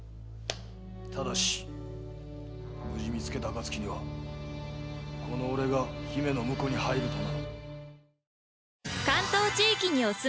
ただし無事に見つけたあかつきにはこの俺が姫の婿に入るとな。